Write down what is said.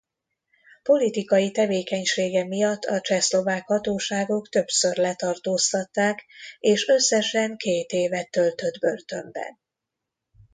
Politikai tevékenysége miatt a csehszlovák hatóságok többször letartóztatták és összesen két évet töltött börtönben.